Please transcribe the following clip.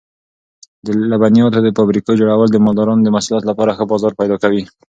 د لبنیاتو د فابریکو جوړول د مالدارانو د محصولاتو لپاره ښه بازار پیدا کوي.